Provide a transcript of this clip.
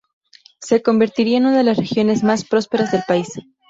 Se convertiría en una de las regiones más prósperas del país.